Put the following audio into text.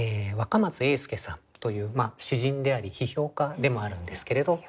若松英輔さんという詩人であり批評家でもあるんですけれど。